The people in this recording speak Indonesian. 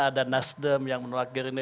ada nasdem yang menolak diri